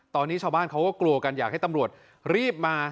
ตอนนี้ชาวบ้านเขาก็กลัวกันอยากให้ตำรวจรีบมา